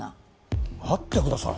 待ってください。